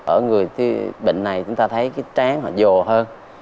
ở người bệnh này chúng ta thấy cái trán họ dồ hơn